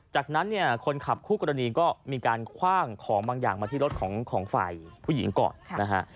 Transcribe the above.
จากนั้นเนี่ยคนขับคู่กรณีก็มีการคว่างของบางอย่างมาที่รถของฝ่ายผู้หญิงก่อนนะฮะ